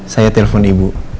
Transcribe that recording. saya telpon ibu